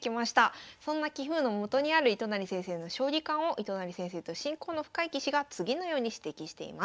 そんな棋風のもとにある糸谷先生の将棋観を糸谷先生と親交の深い棋士が次のように指摘しています。